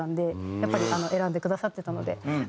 やっぱり選んでくださってたので。